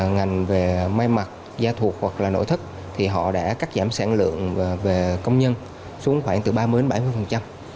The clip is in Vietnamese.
ngành về may mặt gia thuộc hoặc là nội thất thì họ đã cắt giảm sản lượng về công nhân xuống khoảng từ ba mươi đến bảy mươi